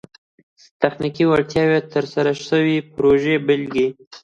تخنیکي وړتیاوي او د ترسره سوو پروژو بيلګي